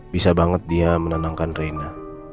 bisa banget dia menenangkan reina